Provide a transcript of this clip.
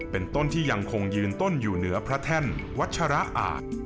เป็นต้นที่ยังคงยืนต้นอยู่เหนือพระแท่นวัชระอาจ